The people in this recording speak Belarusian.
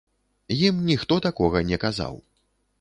Ім ніхто такога не казаў.